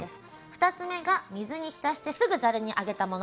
２つ目が水に浸してすぐざるにあげたもの。